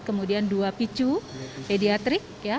kemudian dua picu pediatrik